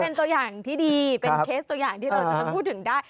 เป็นตัวอย่างที่ดีเป็นเคสตัวอย่างที่เราจะต้องพูดถึงได้